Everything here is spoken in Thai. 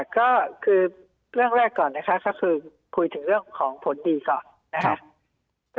ก็คือเรื่องแรกก่อนนะคะก็คือคุยถึงเรื่องของผลดีก่อนนะคะ